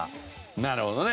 なるほどね。